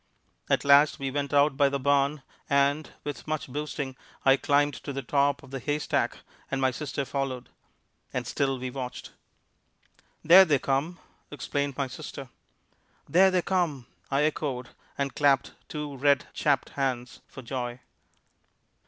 At last we went out by the barn and, with much boosting, I climbed to the top of the haystack and my sister followed. And still we watched. "There they come!" exclaimed my sister. "There they come!" I echoed, and clapped two red, chapped hands for joy.